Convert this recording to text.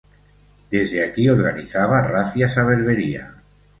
Desde aquí organizaba razias a Berbería.